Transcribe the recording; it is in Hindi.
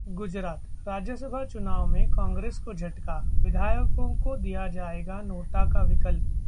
गुजरात: राज्यसभा चुनाव में कांग्रेस को झटका, विधायकों को दिया जाएगा नोटा का विकल्प